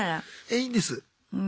えいいんです。